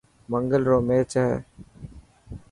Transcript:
منگل رو ميچ هي.